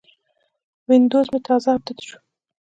وینډوز مې تازه اپډیټ شو.